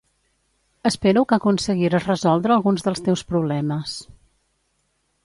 Espero que aconseguires resoldre alguns dels teus problemes.